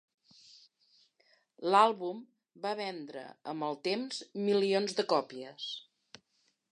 L'àlbum va vendre amb el temps milions de còpies.